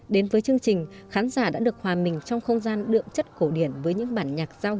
đến với chương trình khán giả đã được hòa mình trong không gian đượm chất cổ điển